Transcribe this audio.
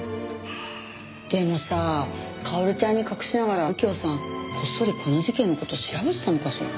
でもさ薫ちゃんに隠しながら右京さんこっそりこの事件の事調べてたのかしら？